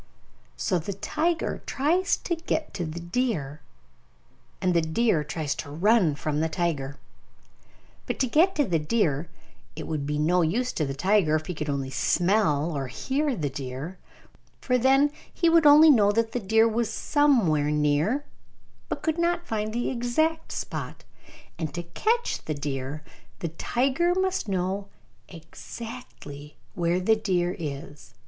So the tiger tries to get to the deer, and the deer tries to run from the tiger. But to get to the deer, it would be no use to the tiger if he could only smell or hear the deer, for then he would only know that the deer was somewhere near, but could not find the exact spot; and to catch the deer the tiger must know exactly where the deer is.